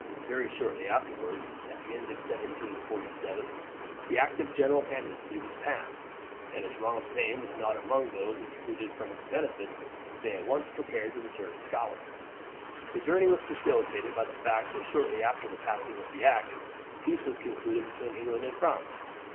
Very shortly afterwards, at the end of 1747, the act of general amnesty was passed, and as Ronald's name was not among those excluded from its benefits they at once prepared to return to Scotland. The journey was facilitated by the fact that shortly after the passing of the act, peace was concluded between England and France.